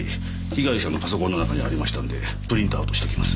被害者のパソコンの中にありましたのでプリントアウトしときます。